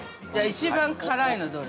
◆一番辛いのどれ？